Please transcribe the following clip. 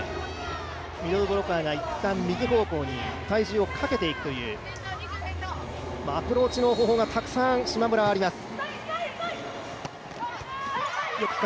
ミドルブロッカーがいったん右方向に体重をかけていくという、アプローチの方法がたくさん島村はあります。